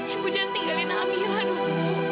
ibu jangan tinggalin aminah dulu